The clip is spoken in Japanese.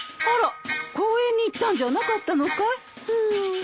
あら公園に行ったんじゃなかったのかい？